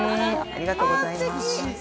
◆ありがとうございます。